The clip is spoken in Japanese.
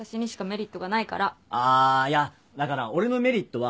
あいやだから俺のメリットは。